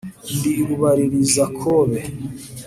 ndi rubalirizakobe.